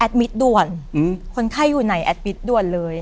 ด่วนคนไข้อยู่ไหนแอดมิตรด่วนเลย